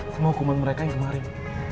semua hukuman mereka yang kemarin